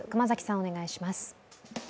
お願いします。